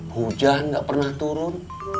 hujan nggak pernah turun